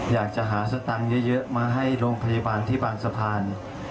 อยากจะหาสตังค์เยอะมาให้โรงพยาบาลที่บางสะพาน